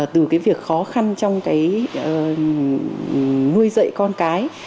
từ việc khó khăn trong nuôi dậy con cái